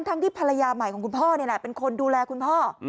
ที่ภรรยาใหม่ของคุณพ่อนี่แหละเป็นคนดูแลคุณพ่อ